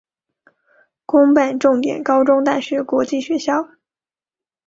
公办重点高中大学国际学校